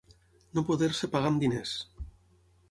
No poder-se pagar amb diners.